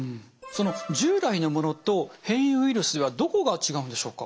従来のものと変異ウイルスではどこが違うんでしょうか？